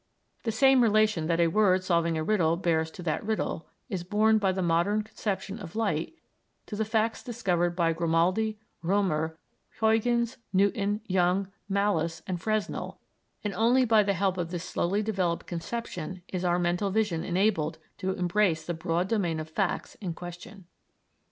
The same relation that a word solving a riddle bears to that riddle is borne by the modern conception of light to the facts discovered by Grimaldi, Römer, Huygens, Newton, Young, Malus, and Fresnel, and only by the help of this slowly developed conception is our mental vision enabled to embrace the broad domain of facts in question.